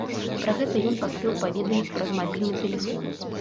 Пра гэта ён паспеў паведаміць праз мабільны тэлефон.